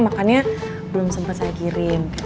makanya belum sempat saya kirim